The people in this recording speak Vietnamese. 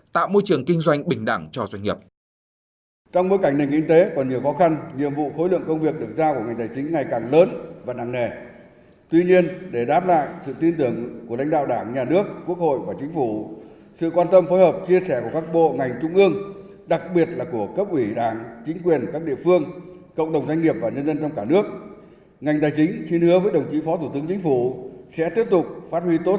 tạo môi trường kinh doanh bình đẳng cho doanh nghiệp